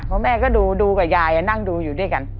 เพราะแม่ก็ดูดูกับยายนั่งดูอยู่ด้วยกัน